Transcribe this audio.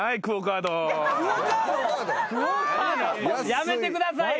やめてくださいよ。